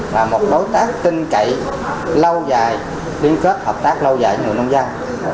là một đối tác tinh cậy lâu dài liên kết hợp tác lâu dài với người nông dân